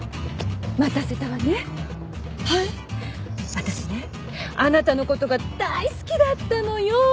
私ねあなたの事が大好きだったのよ！